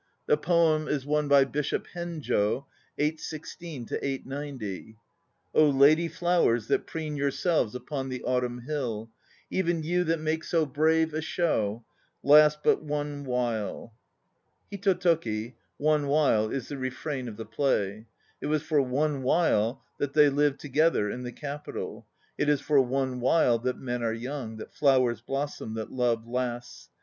The poem is one by Bishop Henjo (816 890) : lady flowers That preen yourselves upon the autumn hill, Even you that make so brave a show, Last but "one while." toki, "one while," is the refrain of the play. while" that they lived together in the Capital; it is for "one while" that men are young, that flowers blossom, that love lasts.